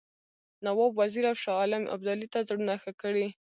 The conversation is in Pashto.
نواب وزیر او شاه عالم ابدالي ته زړونه ښه کړي.